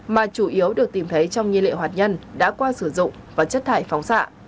mà chủ yếu được tìm thấy trong nhiên liệu hạt nhân đã qua sử dụng và chất thải phóng xạ